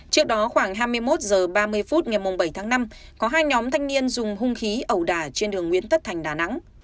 trước đó khoảng hai mươi một h ba mươi phút ngày bảy tháng năm có hai nhóm thanh niên dùng hung khí ẩu đả trên đường nguyễn tất thành đà nẵng